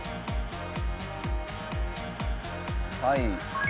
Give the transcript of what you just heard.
「はい」